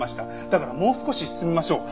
だからもう少し進みましょう。